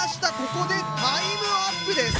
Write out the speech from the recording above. ここでタイムアップです。